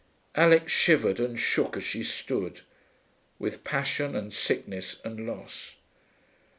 Alix shivered and shook as she stood, with passion and sickness and loss.